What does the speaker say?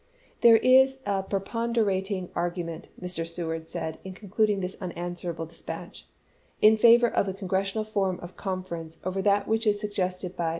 " There is a preponderating argument," Mr. Sew ard said, in concluding this unanswerable dispatch, " in favor of the Congressional form of conference over that which is suggested by M.